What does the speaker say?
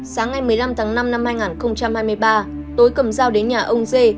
sáng ngày một mươi năm tháng năm năm hai nghìn hai mươi ba tối cầm giao đến nhà ông dê